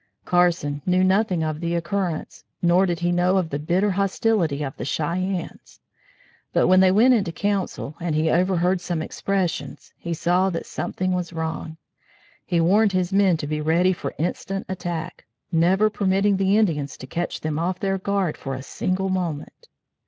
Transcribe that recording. Carson knew nothing of the occurrence nor did he know of the bitter hostility of the Cheyennes, but when they went into council, and he overheard some expressions, he saw that something was wrong. He warned his men to be ready for instant attack, never permitting the Indians to catch them off their guard for a single moment.